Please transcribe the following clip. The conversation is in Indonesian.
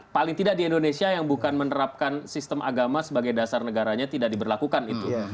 paling tidak di indonesia yang bukan menerapkan sistem agama sebagai dasar negaranya tidak diberlakukan itu